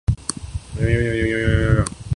بیمار معیشت کی بحالی لیگ کا عظیم کارنامہ ہے شہباز شریف